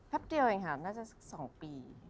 พักเดียวเองน่าจะสัก๒ปี